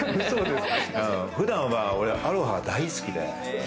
普段はアロハ大好きで。